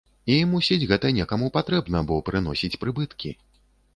І, мусіць, гэта некаму патрэбна, бо прыносіць прыбыткі.